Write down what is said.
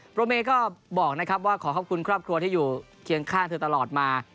โรเมย์ก็บอกนะครับว่าขอขอบคุณครอบครัวที่อยู่เคียงข้างเธอตลอดมา